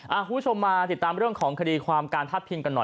คุณผู้ชมมาติดตามเรื่องของคดีความการพาดพิงกันหน่อย